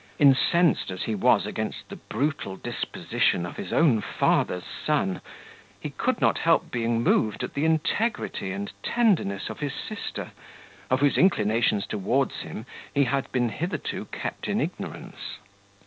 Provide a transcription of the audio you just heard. Incensed as he was against the brutal disposition of his own father's son, he could not help being moved at the integrity and tenderness of his sister, of whose inclinations towards him he had been hitherto kept in ignorance.